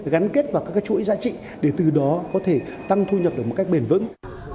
gắn kết vào các chuỗi giá trị để từ đó có thể tăng thu nhập được một cách bền vững